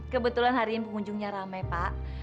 kebetulan hari ini pengunjungnya rame pak